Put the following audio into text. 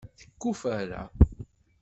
Tekuferra?